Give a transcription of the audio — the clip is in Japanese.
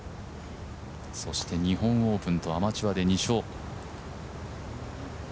そして日本オープンとアマチュアで２勝。